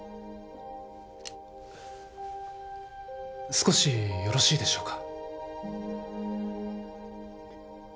少しよろしいでしょうか？